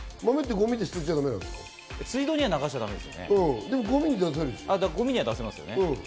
ごみには出せます。